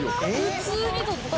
普通にとった。